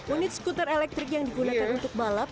unit skuter elektrik yang digunakan untuk balap